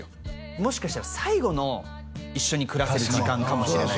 もしかしたら最後の一緒に暮らせる時間かもしれない